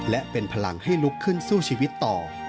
และเป็นพลังให้ลุกขึ้นสู้ชีวิตต่อ